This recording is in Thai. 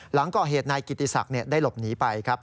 หลังก่อเหตุนายกิติศักดิ์ได้หลบหนีไปครับ